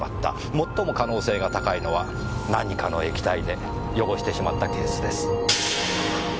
最も可能性が高いのは何かの液体で汚してしまったケースです。